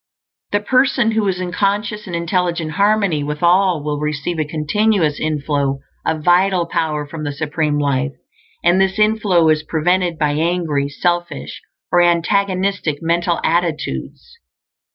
The person who is in conscious and intelligent harmony with All will receive a continuous inflow of vital power from the Supreme Life; and this inflow is prevented by angry, selfish or antagonistic mental attitudes.